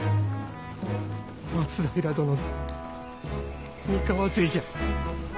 松平殿の三河勢じゃ！